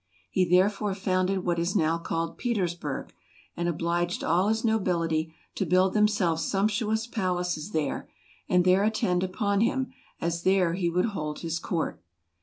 He there¬ fore founded what is now called Petersburgh, and obliged all his nobility to build themselves sumptuous palaces there, and there attend upon him, as there he would hold his court.